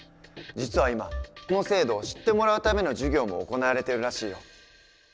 実は今この制度を知ってもらうための授業も行われてるらしいよ。